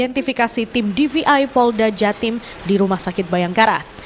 identifikasi tim dvi polda jatim di rumah sakit bayangkara